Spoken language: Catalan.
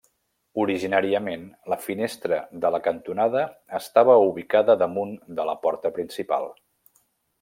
Originàriament, la finestra de la cantonada estava ubicada damunt de la porta principal.